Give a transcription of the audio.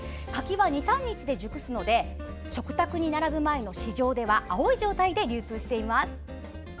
柿は２３日で熟しますので食卓に並ぶ前の市場では青い状態で流通しています。